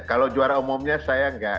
kalau juara umumnya saya nggak